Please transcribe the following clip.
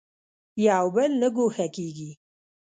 یو بل نه ګوښه کېږي.